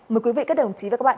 mời quý vị các đồng chí và các bạn